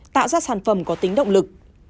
tạo ra sản phẩm có tính động lực